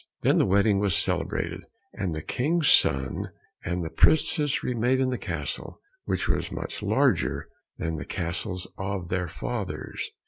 Then the wedding was celebrated, and the King's son and the princess remained in the castle, which was much larger than the castles of their fathers.